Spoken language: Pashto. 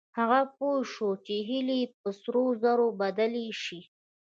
هغه پوه شو چې هيلې په سرو زرو بدلېدلای شي.